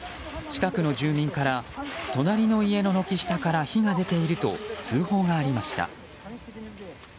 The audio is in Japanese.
近くの住民から隣の家の軒下から火が出ていると通報がありました。